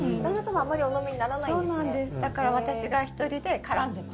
あんまりお飲みにならないんですね。